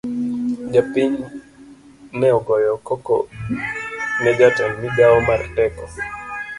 Jopiny ne ogoyo koko ne jatend migao mar teko.